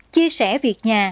chia sẻ việc nhà